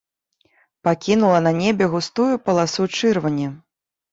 Пакінула на небе густую паласу чырвані.